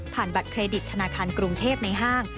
บัตรเครดิตธนาคารกรุงเทพในห้าง